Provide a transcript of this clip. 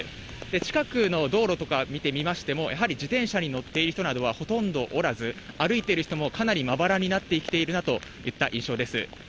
近くの道路とか見てみましても、やはり自転車に乗っている人などはほとんどおらず、歩いてる人もかなりまばらになってきているなといった印象です。